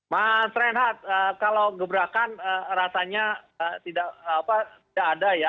mas renhat kalau gebrakan rasanya tidak ada ya